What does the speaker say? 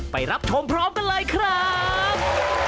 ไปรับชมพร้อมกันเลยครับ